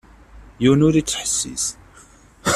Yiwen ur ittḥessis.